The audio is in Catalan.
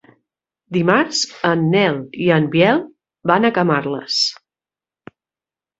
Dimarts en Nel i en Biel van a Camarles.